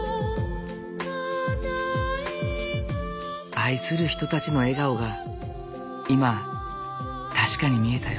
愛する人たちの笑顔が今確かに見えたよ。